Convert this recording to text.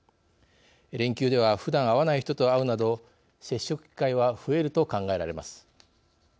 連休ではふだん会わない人と会うなど接触機会は増えると考えられます。